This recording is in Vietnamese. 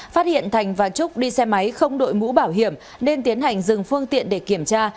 phát hiện thành và trúc đi xe máy không đội mũ bảo hiểm nên tiến hành dừng phương tiện để kiểm tra